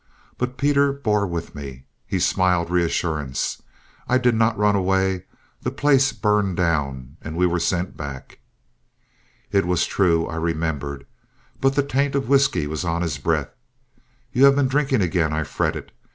But Peter bore with me. He smiled reassurance. "I did not run away. The place burned down; we were sent back." It was true; I remembered. But the taint of whisky was on his breath. "You have been drinking again," I fretted.